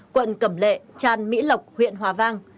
quận cẩm lệ tràn mỹ lộc huyện hòa vang